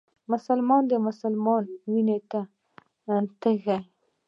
مسلمان د مسلمان وينو ته تږی